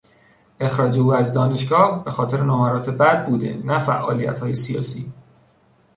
اخراج او از دانشگاه به خاطر نمرات بد بوده نه فعالیتهای سیاسی.